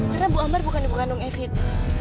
karena bu ambar bukan ibu kandung evith